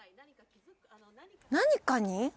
何かに？